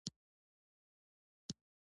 شپږ شپیتم سوال د ادارې اساسي اصول دي.